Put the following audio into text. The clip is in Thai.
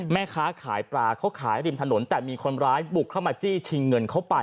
แม่ค้าขายปลาเขาขายริมถนนแต่มีคนร้ายบุกเข้ามาจี้ชิงเงินเขาไป